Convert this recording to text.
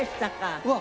うわっ！